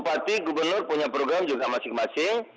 bupati gubernur punya program juga masing masing